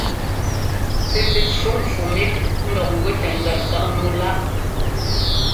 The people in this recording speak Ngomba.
Tsitsit shuŋ fʉmík ńdɔk ŋ́gʉ tɛ ŋga saꞌ nǔu láꞌ.